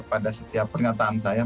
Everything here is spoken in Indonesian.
pada setiap pernyataan saya